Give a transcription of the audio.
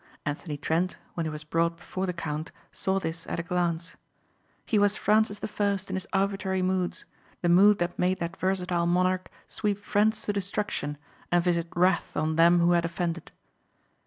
Anthony Trent when he was brought before the count saw this at a glance. He was Francis the First in his arbitrary moods, the mood that made that versatile monarch sweep friends to destruction and visit wrath on them who had offended.